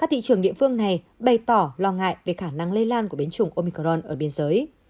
thị trường địa phương này bày tỏ lo ngại về khả năng lây lan của biến chủng omicron ở biên giới